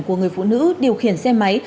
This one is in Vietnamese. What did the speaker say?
của người phụ nữ điều khiển xe máy